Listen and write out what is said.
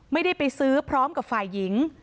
ไม่ได้ไปซื้อพร้อมกับฝ่ายหญิง